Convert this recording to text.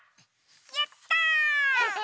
やった！